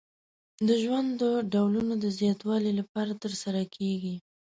د ژوند د ډولونو د زیاتوالي لپاره ترسره کیږي.